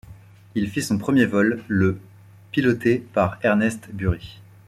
Il fit son premier vol le piloté par Ernest Burri.